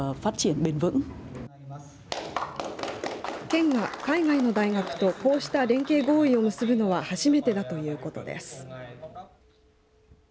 県が海外の大学とこうした連携合意を結ぶのは初めてだということです。